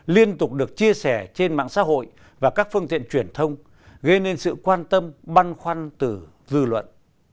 liên tục được chia sẻ trên mạng xã hội và các phương tiện truyền thông gây nên sự quan tâm băn khoăn từ dư luận